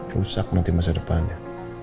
rusak nanti masa depannya